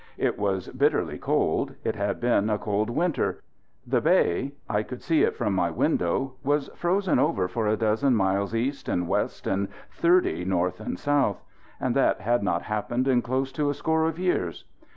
It was bitterly cold; it had been a cold winter. The bay I could see it from my window was frozen over for a dozen miles east and west and thirty north and south; and that had not happened in close to a score of years.